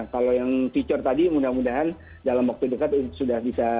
kalau yang cicur tadi mudah mudahan dalam waktu dekat sudah bisa dirubah ya sistemnya